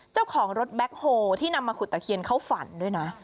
เจ้าของรถแบ็คโฮที่นำมาขุดตะเคียนเข้าฝันด้วยนะ